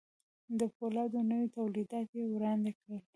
د پولادو نوي توليدات يې وړاندې کړل.